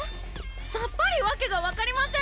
さっぱり訳が分かりません